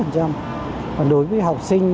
còn đối với học sinh